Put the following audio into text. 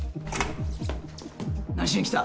何しにきた。